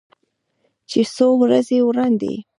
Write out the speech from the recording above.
چې څو ورځې وړاندې